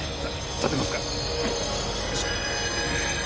立てますか？